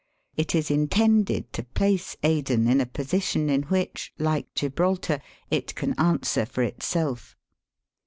It is intended to place Aden in a position in which, like Gibraltar, it can answer for itself.